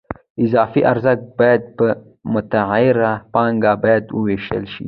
اضافي ارزښت باید په متغیره پانګه باندې ووېشل شي